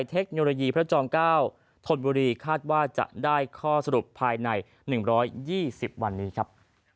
พระเจ้าจองเก้าทนบุรีคาดว่าจะได้ข้อสรุปภายใน๑๒๐วันนี้ครับ